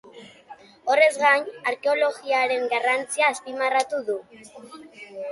Horrez gain, arkeologiaren garrantzia azpimarratu du.